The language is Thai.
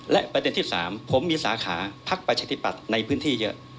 และประเด็นที่๓ผมมีสาขาพักประชาธิปัตย์ในพื้นที่เยอะ